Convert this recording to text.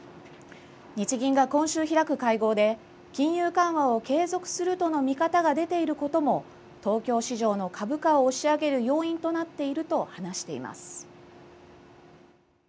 日銀が今週開く会合で金融緩和を継続するとの見方が出ていることも東京市場の株価を押し上げる要因となっていると話しています。